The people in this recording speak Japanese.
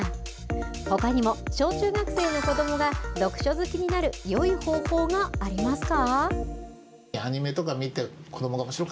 ほかにも、小中学生の子どもが読書好きになるよい方法がありますか。